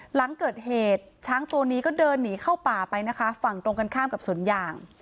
หลังเกิดเหตุช้างตัวนี้ก็เดินหนีเข้าป่าไปนะคะฝั่งตรงกันข้ามกับสวนยาง